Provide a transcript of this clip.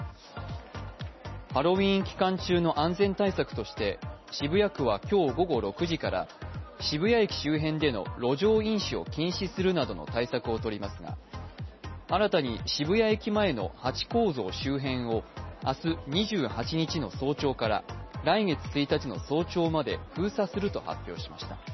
ハロウィーン期間中の安全対策として渋谷区は今日午後６時から渋谷駅周辺での路上飲酒を禁止するなどの対策をとりますが、新たにハチ公像周辺を明日２８日の早朝から来月１日の早朝まで封鎖すると発表しました。